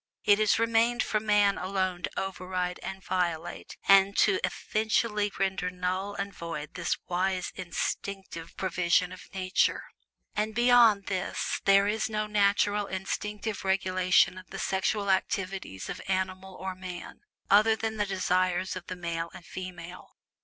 It has remained for Man alone to override and violate, and to eventually render nul and void this wise instinctive provision of Nature. But beyond this there is no "natural," instinctive regulation of the sexual activities of animal or man, other than the desires of the male and female.